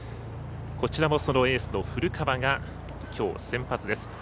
こちらもエースの古川がきょう先発です。